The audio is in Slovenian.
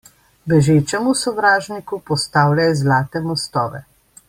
Bežečemu sovražniku postavljaj zlate mostove.